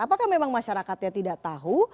apakah memang masyarakatnya tidak tahu